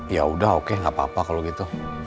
yaudah oke gak apa apa kalo gitu